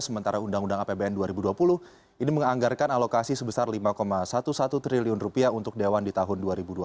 sementara undang undang apbn dua ribu dua puluh ini menganggarkan alokasi sebesar lima sebelas triliun untuk dewan di tahun dua ribu dua puluh